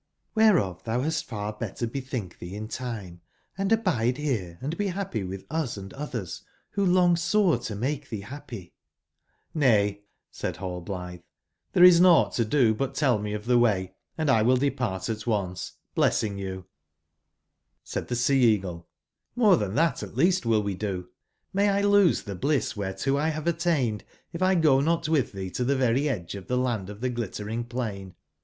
Olbereof thou badst far better bethink thee in time, and abide here and be happy with us & others who long sore to make thee happy "^*']Say,'' said Rallblithe, ''there is nought todobut tell meof tbe way, andlwill depart at once, blessing you "j^ Said the Sea/eagle: "jMore than that at least will we do. jVIay 1 lose tbe bliss whereto X have attain ed, if 1 go not with thee to tbe very edge of tbe land of the Glittering plain.